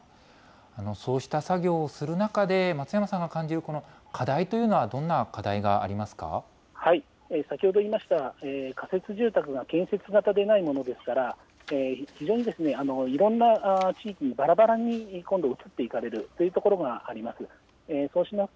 そうした作業をする中で、松山さんが感じる課題というのはど先ほど言いました、仮設住宅が建設がされないものですから、非常にいろんな地域にばらばらに、今度、移っていかれるということがあります。